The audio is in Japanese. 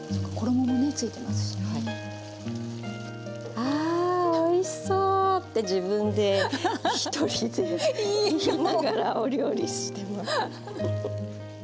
あおいしそう！って自分で１人で言いながらお料理してます。